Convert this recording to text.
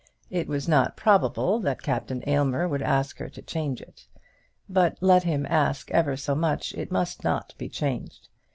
It was not probable that Captain Aylmer would ask her to change it; but let him ask ever so much it must not be changed.